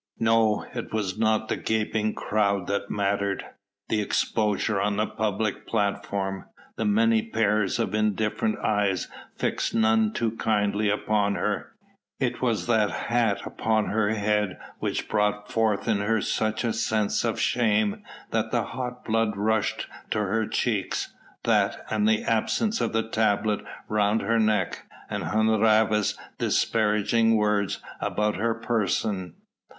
No! it was not the gaping crowd that mattered, the exposure on the public platform, the many pairs of indifferent eyes fixed none too kindly upon her: it was that hat upon her head which brought forth in her such a sense of shame that the hot blood rushed to her cheeks; that, and the absence of the tablet round her neck, and Hun Rhavas' disparaging words about her person.